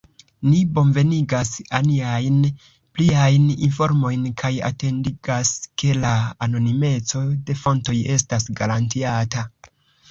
Ni bonvenigas ajnajn pliajn informojn kaj atentigas, ke la anonimeco de fontoj estas garantiata.